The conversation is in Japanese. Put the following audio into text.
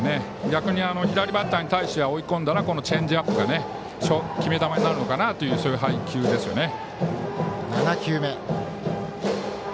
逆に左バッターに対しては追い込んだらチェンジアップが決め球になるのかなという配球ですね。